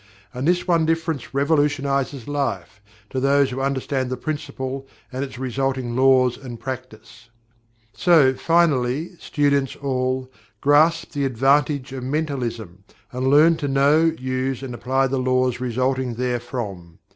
And this one difference revolutionizes Life, to those who understand the Principle and its resulting laws and practice. So, finally, students all, grasp the advantage of Mentalism, and learn to know, use and apply the laws resulting therefrom.